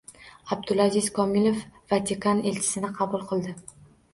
Abdulaziz Komilov Vatikan Elchisini qabul qildi